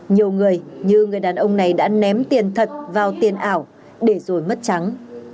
nhiều người như người đàn ông này đã ném tiền thật vào tiền ảo để rồi mất trắng